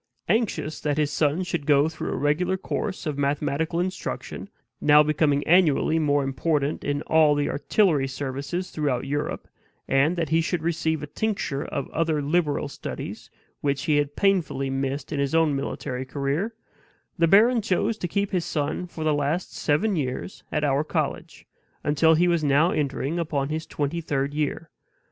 Anxious that his son should go through a regular course of mathematical instruction, now becoming annually more important in all the artillery services throughout Europe, and that he should receive a tincture of other liberal studies which he had painfully missed in his own military career, the baron chose to keep his son for the last seven years at our college, until he was now entering upon his twenty third year.